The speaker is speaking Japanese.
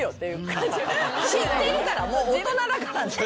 知ってるからもう大人だからね。